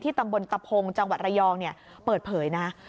ตำบลตะพงจังหวัดระยองเปิดเผยนะ